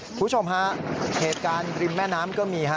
คุณผู้ชมฮะเหตุการณ์ริมแม่น้ำก็มีฮะ